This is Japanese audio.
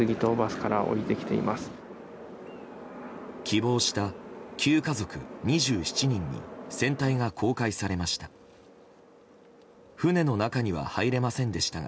希望した９家族２７人に船体が公開されました。